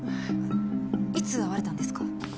いつ会われたんですか？